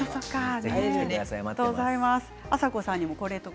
ありがとうございます。